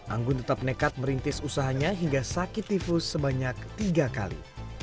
anggun tetap nekat merintis usahanya hingga sakit tifus sebanyak tiga kali